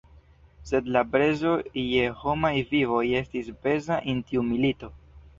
Sed la prezo je homaj vivoj estis peza en tiu milito.